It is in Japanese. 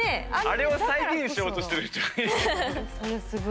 あれを再現しようとしてる人がいる。